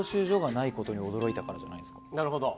なるほど。